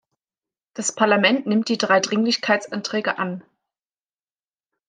Das Parlament nimmt die drei Dringlichkeitsanträge an.